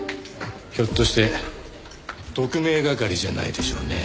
ひょっとして特命係じゃないでしょうね？